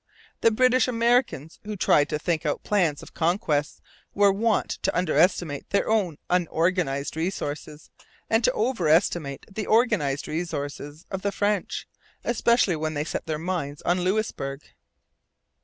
The British Americans who tried to think out plans of conquest were wont to under estimate their own unorganized resources and to over estimate the organized resources of the French, especially when they set their minds on Louisbourg.